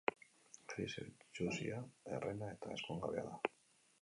Eliseo itsusia, herrena eta ezkongabea da.